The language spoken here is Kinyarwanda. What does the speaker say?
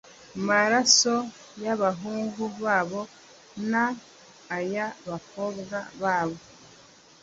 maraso y abahungu babo n ay abakobwa babo